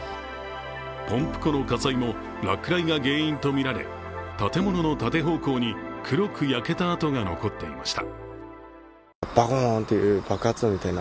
ポンプ庫の火災も落雷が原因とみられ建物の縦方向に黒く焼けた跡が残っていました。